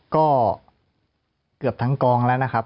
ก็เกือบทั้งกองแล้วนะครับ